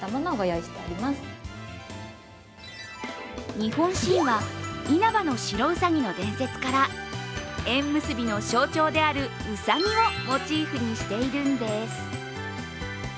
日本神話因幡の白うさぎの伝説から縁結びの象徴であるうさぎをモチーフにしているんです。